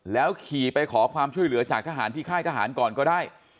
แล้วขี่ไปขอความช่วยเหลือจากทหารที่ค่ายทหารก่อนก็ได้